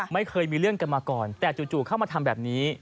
ไม่เคยมีเรื่องกันมาก่อนแต่จู่เข้ามาทำแบบนี้